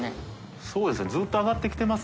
そうですね。